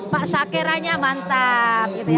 pak sakeranya mantap